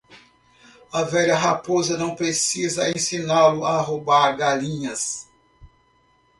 A velha raposa não precisa ensiná-lo a roubar galinhas.